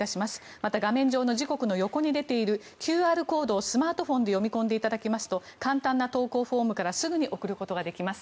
また画面上の時刻の横に出ているＱＲコードをスマートフォンで読み込んでいただきますと簡単な投稿フォームからすぐに送ることができます。